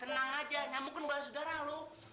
tenang aja nyamuk kan bukan sudara lo